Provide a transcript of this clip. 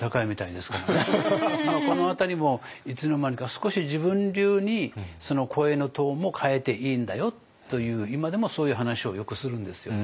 でもこの辺りもいつの間にか少し自分流にその声のトーンも変えていいんだよという今でもそういう話をよくするんですよね。